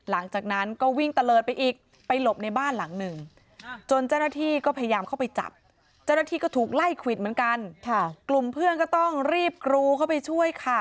ไล่ขวิตเหมือนกันกลุ่มเพื่อนก็ต้องรีบกรูเข้าไปช่วยค่ะ